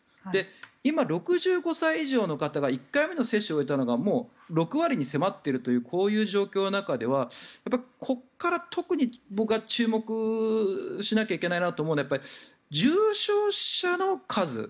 今、６５歳以上の方が１回目の接種を終えたのがもう６割に迫っているというこういう状況の中ではここから特に、僕が注目しなければいけないなと思うのは重症者の数。